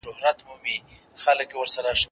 که وخت وي، لاس پرېولم؟!